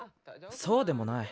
そうでもない。